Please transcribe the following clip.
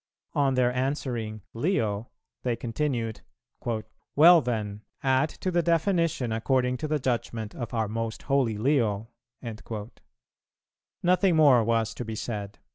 On their answering "Leo," they continued, "Well then, add to the definition, according to the judgment of our most holy Leo." Nothing more was to be said.